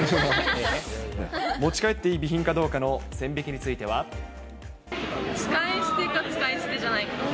持ち帰っていい備品かどうか使い捨てか使い捨てじゃないか。